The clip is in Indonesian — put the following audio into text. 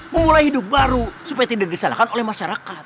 memulai hidup baru supaya tidak disalahkan oleh masyarakat